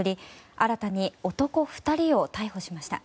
新たに男２人を逮捕しました。